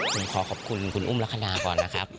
ผมขอขอบคุณคุณอุ้มลักษณะก่อนนะครับ